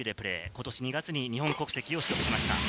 ことし２月に日本国籍を取得しました。